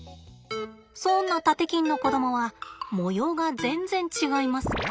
そんなタテキンの子どもは模様が全然違います。